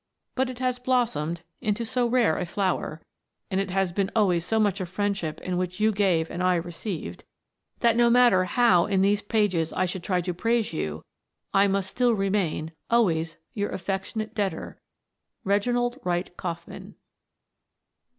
But it has blossomed into so rare a flower, and it has been always so much a friendship in which you gave and I received, that, no matter how in these pages I should try to praise you, I must still remain Always your affectionate debtor, Reginald Wright Kauffman.